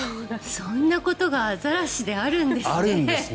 そんなことがアザラシであるんですね。